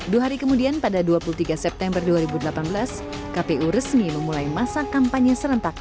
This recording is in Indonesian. dua hari kemudian pada dua puluh tiga september dua ribu delapan belas kpu resmi memulai masa kampanye serentak